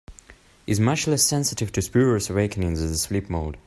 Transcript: Is much less sensitive to spurious awakenings than the sleep mode.